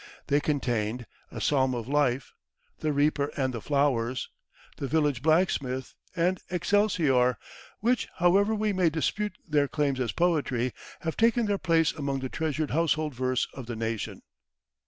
They contained "A Psalm of Life," "The Reaper and the Flowers," "The Village Blacksmith," and "Excelsior," which, however we may dispute their claims as poetry, have taken their place among the treasured household verse of the nation.